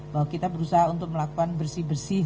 bahwa kita berusaha untuk melakukan bersih bersih